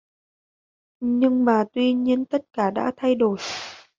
Nhưng mà Tuy nhiên tất cả đã thay đổi